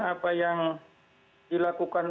apa yang dilakukan